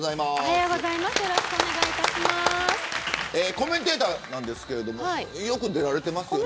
コメンテーターなんですけどよく出られてますよね。